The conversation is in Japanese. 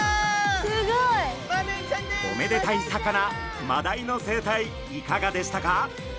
すごい！おめでたい魚マダイの生態いかがでしたか？